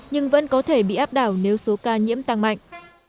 nhưng vẫn có thể bị áp đảo nếu số ca nhiễm tăng mạnh